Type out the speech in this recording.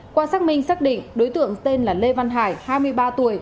qua xác minh xác định đối tượng tên là lê văn hải hai mươi ba tuổi